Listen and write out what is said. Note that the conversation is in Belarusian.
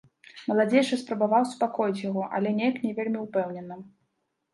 Маладзейшы спрабаваў супакоіць яго, але неяк не вельмі ўпэўнена.